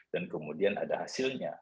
dan kemudian ada hasilnya